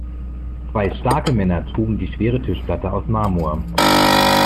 Zwei starke Männer trugen die schwere Tischplatte aus Marmor.